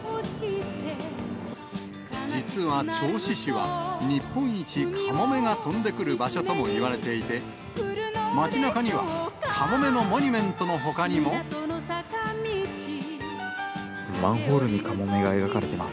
実は銚子市は、日本一カモメが飛んでくる場所ともいわれていて、町なかには、マンホールにカモメが描かれてます。